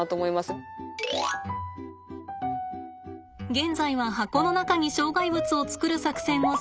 現在は箱の中に障害物を作る作戦を遂行中です。